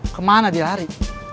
kemana dia lari